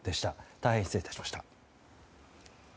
大変失礼いたしました。